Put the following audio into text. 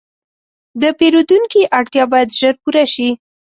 د پیرودونکي اړتیا باید ژر پوره شي.